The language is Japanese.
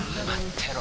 てろ